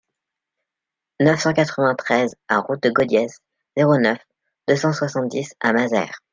neuf cent quatre-vingt-treize A route de Gaudiès, zéro neuf, deux cent soixante-dix à Mazères